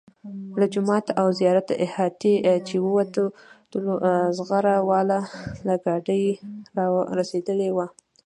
له جومات او زیارت احاطې چې ووتلو زغره وال ګاډي را رسېدلي وو.